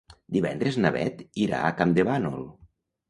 Divendres na Bet irà a Campdevànol.